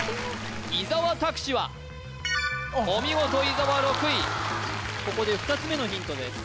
伊沢拓司はお見事伊沢６位ここで２つ目のヒントです